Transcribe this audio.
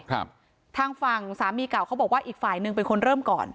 ทางฝั่งสามีเก่าเขาบอกว่าอีกฝ่ายหนึ่งเป็นคนเริ่มก่อน